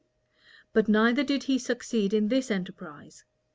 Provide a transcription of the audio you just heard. But neither did he succeed in this enterprise.